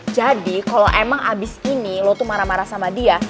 jadi kalau emang abis ini lo tuh marah marah sama dia